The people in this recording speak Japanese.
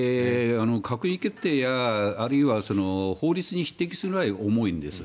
閣議決定やあるいは法律に匹敵するくらい重いんです。